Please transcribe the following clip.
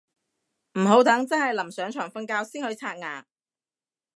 唔好等真係臨上床瞓覺先去刷牙